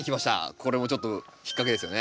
これもちょっと引っ掛けですよね。